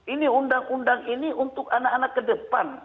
ini undang undang ini untuk anak anak ke depan